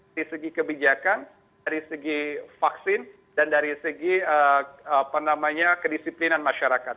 dari segi kebijakan dari segi vaksin dan dari segi kedisiplinan masyarakat